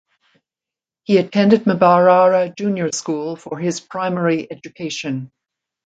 He attended Mbarara Junior School for his primary education.